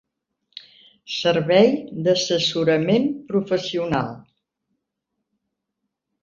Servei d'assessorament professional